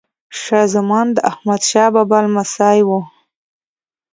شاه زمان د احمد شاه بابا لمسی وه.